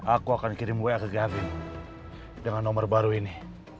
aku akan kirim wayang ke jatim dengan nomor baru ini